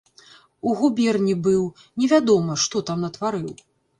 У губерні быў, невядома, што там натварыў.